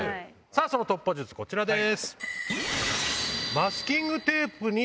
その突破術こちらです。